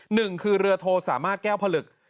หนึ่งคือเรือโทสามารถแก้วผลึก